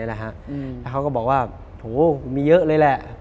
แล้วเขาก็บอกว่าโถมีเยอะเลยแหละ